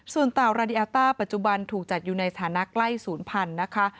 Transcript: ส่วนเต่าราดิแอลต้าปัจจุบันถูกจัดอยู่ในสถานะใกล้ศูนย์พันธุ์นะคะ